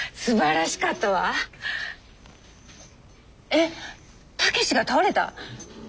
えっ武志が倒れた！？